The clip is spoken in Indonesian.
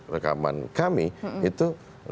rekaman kami itu